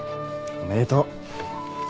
おめでとう！